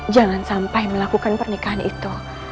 jangan sampai melakukan pernikahan itu